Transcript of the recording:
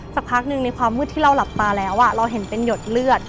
สักพักหนึ่งในความมืดที่เราหลับตาแล้วเราเห็นเป็นหยดเลือด